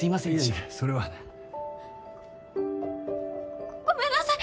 いえいえそれは。ごめんなさい！